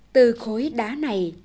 từ khối đá này